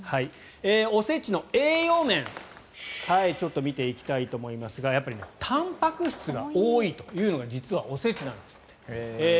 お節の栄養面、ちょっと見ていきたいと思いますがやっぱりたんぱく質が多いというのが実はお節なんですって。